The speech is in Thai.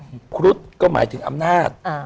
ถามชุดคุดก็หมายถึงอำนาจ